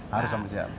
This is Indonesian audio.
harus sama siap